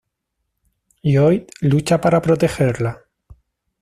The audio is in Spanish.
Lloyd lucha para protegerla.